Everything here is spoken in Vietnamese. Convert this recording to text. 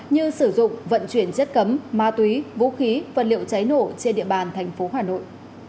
như sử dụng vận chuyển chất cấm ma túy vũ khí vật liệu cháy nổ trên địa bàn thành phố hà nội